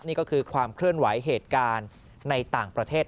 นี่ก็คือความเคลื่อนไหวเหตุการณ์ในต่างประเทศ